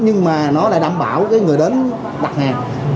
nhưng mà nó lại đảm bảo cái người đến đặt hàng